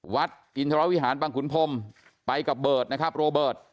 วัดอินทรวิหารบังขุนพรมไปกับเบิร์ตนะครับโรเบิร์ต